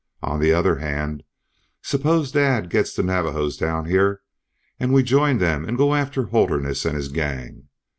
On the other hand, suppose Dad gets the Navajos down here and we join them and go after Holderness and his gang.